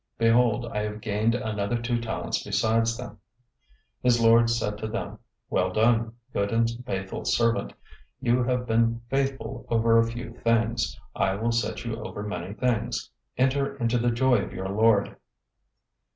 Behold, I have gained another two talents besides them.' 025:023 "His lord said to him, 'Well done, good and faithful servant. You have been faithful over a few things, I will set you over many things. Enter into the joy of your lord.'